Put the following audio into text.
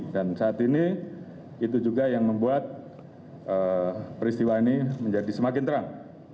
dan saat ini itu juga yang membuat peristiwa ini menjadi semakin terang